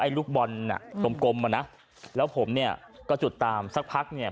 เหมือนดูว่าไออีกลูกบอลอ่ะกลมน่ะแล้วผมเนี่ยก็จุดตามสักพักเนี่ย